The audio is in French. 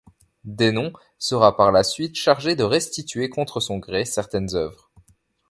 Denon sera, par la suite, chargé de restituer, contre son gré, certaines œuvres.